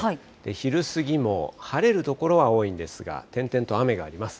昼過ぎも晴れる所は多いんですが、点々と雨があります。